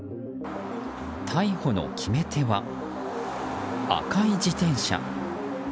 逮捕の決め手は、赤い自転車。